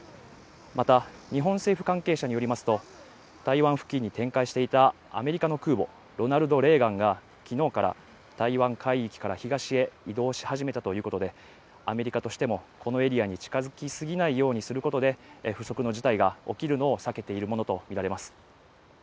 また日本政府関係者によりますと台湾付近に展開していたアメリカの空母「ロナルド・レーガン」が昨日から台湾海域から東へ移動し始めたということでアメリカとしてもこのエリアに近づきすぎないようにすることで不測の事態が起きるのを避けているものと見られます